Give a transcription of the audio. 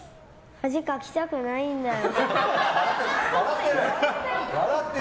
恥かきたくないんだよ。